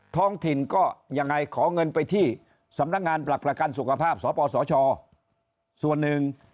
ท้องถิ่นก็ยังไงขอเงินไปที่สำนักงานหลักประกันสุขภาพสปสชส่วนหนึ่ง